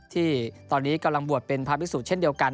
ที่ตอนนี้กำลังบวชเป็นพระพิสุเช่นเดียวกัน